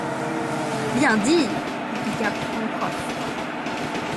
Bien dit ! répliqua Pencroff